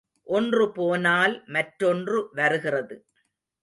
ஒன்று போனால் மற்றொன்று வருகிறது.